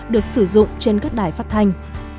được sử dụng trên các đài phát thanh